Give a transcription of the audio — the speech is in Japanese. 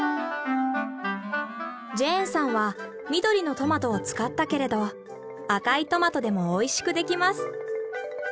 ジェーンさんは緑のトマトを使ったけれど赤いトマトでもおいしくできます。